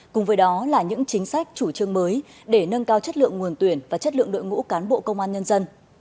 cùng với đó là những chính sách chủ trương mới để nâng cao chất lượng nguồn tuyển và chất lượng đội ngũ cán bộ công an nhân dân